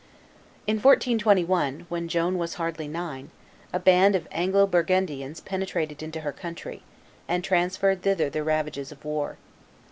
In 1421, when Joan was hardly nine, a band of Anglo Burgundians penetrated into her country, and transferred thither the ravages of war.